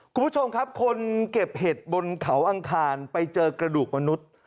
คุณผู้ชมครับคนเก็บเห็ดบนเขาอังคารไปเจอกระดูกมนุษย์